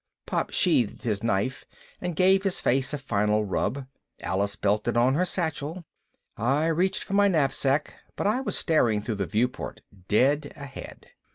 Pop sheathed his knife and gave his face a final rub. Alice belted on her satchel. I reached for my knapsack, but I was staring through the viewport, dead ahead.